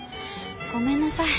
ごめんなさい。